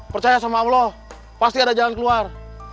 percaya sama allah pasti ada jalan keluar